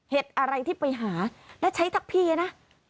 อะไรที่ไปหาและใช้ทักพี่นะ